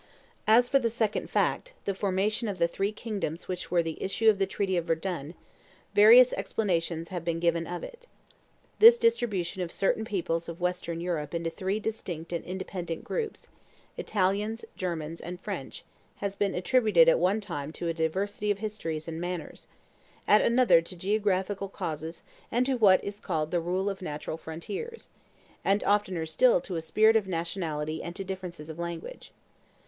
As for the second fact, the formation of the three kingdoms which were the issue of the treaty of Verdun, various explanations have been given of it. This distribution of certain peoples of Western Europe into three distinct and independent groups, Italians, Germans, and French, has been attributed at one time to a diversity of histories and manners; at another to geographical causes and to what is called the rule of natural frontiers; and oftener still to a spirit of nationality and to differences of language.